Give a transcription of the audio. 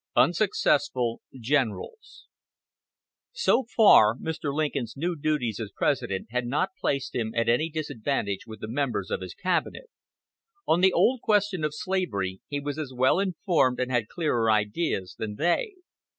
UNSUCCESSFUL GENERALS So far Mr. Lincoln's new duties as President had not placed him at any disadvantage with the members of his cabinet. On the old question of slavery he was as well informed and had clearer ideas than they.